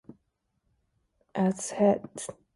Als het milieu verslechtert zijn zij de eerste slachtoffers.